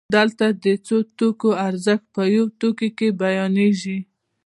دلته د څو توکو ارزښت په یو توکي کې بیانېږي